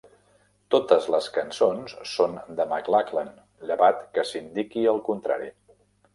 Totes les cançons són de McLachlan llevat que s'indiqui el contrari.